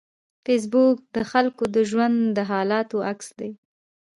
فېسبوک د خلکو د ژوند د حالاتو عکس دی